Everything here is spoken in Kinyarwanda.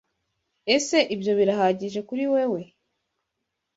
Ese ibyo birahagije kuri wewe?